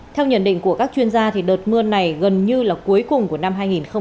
theo nhận định của các chuyên gia đợt mưa này gần như là cuối cùng của năm hai nghìn hai mươi